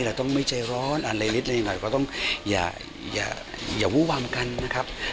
เราต้องไม่ใจร้อนอะไรนิดหน่อยเราต้องอย่าวุวำกันนะครับ